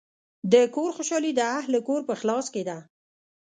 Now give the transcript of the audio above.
د کور خوشحالي د اهلِ کور په اخلاص کې ده.